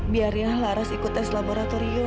biarlah laras ikut tes laboratorium